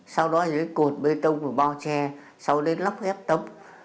sau đó là cái cột bê tông và bao tre sau đó là lóc ghép tấm